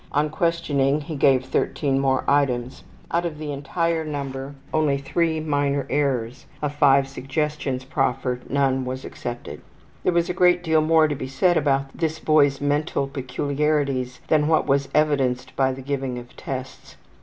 On questioning he gave 13 more items. Out of the entire number only 3 minor errors. Of 5 suggestions proffered none was accepted. There was a great deal more to be said about this boy's mental peculiarities than what was evidenced by the giving of tests.